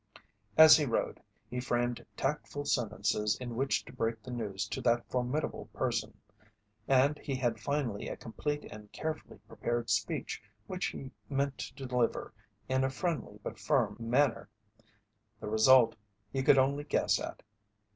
As he rode, he framed tactful sentences in which to break the news to that formidable person, and he had finally a complete and carefully prepared speech which he meant to deliver in a friendly but firm manner. The result he could only guess at.